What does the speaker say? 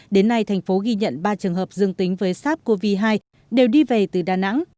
đến nay thành phố ghi nhận ba trường hợp dương tính với sars cov hai đều đi về từ đà nẵng